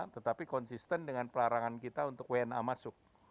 tetapi konsisten dengan pelarangan kita untuk wna masuk